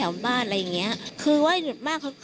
แล้วหลังจากนั้นเราขับหนีเอามามันก็ไล่ตามมาอยู่ตรงนั้น